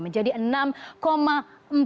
menjadi enam miliar dolar